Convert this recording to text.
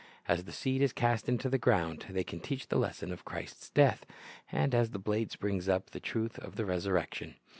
As the seed is cast into the ground, they can teach the lesson of Christ's death; and as the blade springs up, the truth of the resurrection.